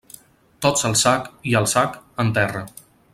Tots al sac, i el sac, en terra.